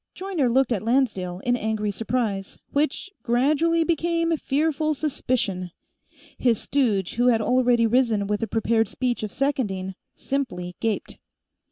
Joyner looked at Lancedale in angry surprise, which gradually became fearful suspicion. His stooge, who had already risen with a prepared speech of seconding, simply gaped.